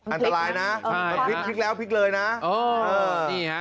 อันตรายนะพลิกแล้วพลิกเลยนะ